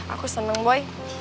aku seneng boy